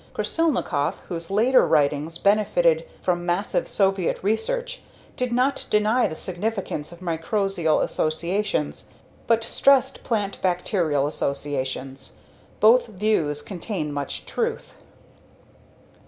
Krasilnikov, whose later writings benefited from massive Soviet research did not deny the significance of mycorrhizal associations but stressed plant bacterial associations. Both views contain much truth.